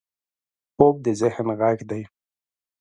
خوب د ذهن غږ دی